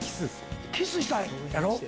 キスしたんやろ？